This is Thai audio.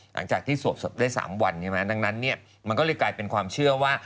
หลังจากที่สวบได้๓วันดังนั้นก็เลยกลายเป็นความเชื่อว่า